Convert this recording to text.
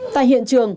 tại hiện trường